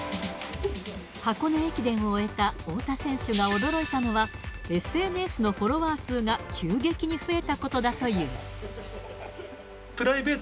箱根駅伝を終えた太田選手が驚いたのは、ＳＮＳのフォロワー数が急激に増えたことだという。